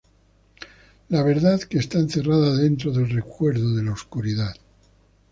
La "verdad" que está encerrada dentro del recuerdo de la oscuridad.